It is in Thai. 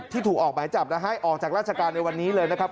ที่ถูกออกหมายจับออกจากราชการในวันนี้เลยครับ